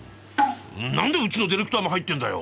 何でうちのディレクターも入ってんだよ！